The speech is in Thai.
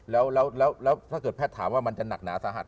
แล้วถ้าเกิดแพทย์ถามว่ามันจะหนักหนาสาหัส